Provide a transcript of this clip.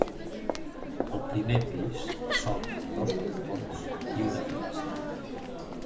Al primer pis s'obren dos balcons i una finestra.